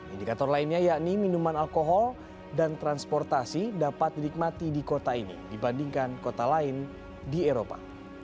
indikator lainnya yakni minuman alkohol dan transportasi dapat dinikmati di kota ini dibandingkan kota lain di eropa